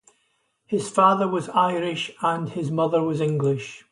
His father was Irish and his mother was English.